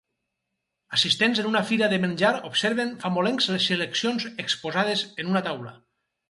Assistents en una fira de menjar observen famolencs les seleccions exposades en una taula.